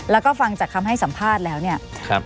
แล้วก็ฟังจากคำให้สัมภาษณ์แล้วเนี่ย